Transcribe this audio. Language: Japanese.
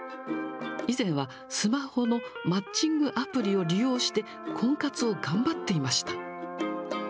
以前はスマホのマッチングアプリを利用して、婚活を頑張っていました。